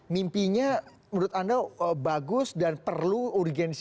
mimpinya menurut anda bagus dan perlu urgensi